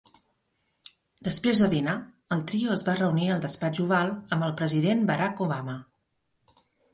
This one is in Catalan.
Després de dinar, el trio es va reunir al despatx Oval amb el president Barack Obama.